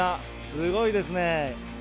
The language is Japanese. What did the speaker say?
すごいですね。